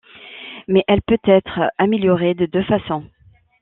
Mais elle peut être améliorée de deux façons.